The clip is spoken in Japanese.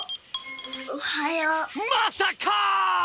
まさか！